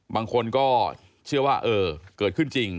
บางคนก็เชื่อว่าเออเกิดขึ้นจริง